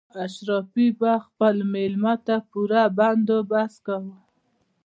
اشرافي به خپل مېلمه ته پوره بندوبست کاوه.